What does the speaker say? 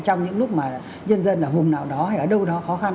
trong những lúc mà nhân dân ở vùng nào đó hay ở đâu đó khó khăn